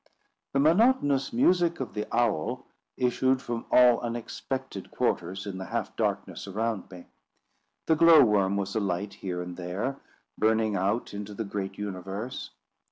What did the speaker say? The monotonous music of the owl issued from all unexpected quarters in the half darkness around me. The glow worm was alight here and there, burning out into the great universe.